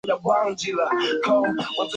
羽裂黄瓜菜为菊科黄瓜菜属下的一个种。